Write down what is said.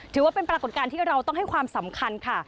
ถือว่าเป็นปรากฏการณ์ที่เราต้องให้ความสำคัญค่ะ